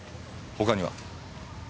他には？